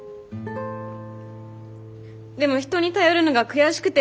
でも人に頼るのが悔しくて。